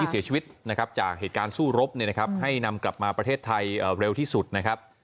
เสียชีวิตนะครับจากเหตุการณ์สู้รบให้นำกลับมาประเทศไทยเร็วที่สุดนะครับ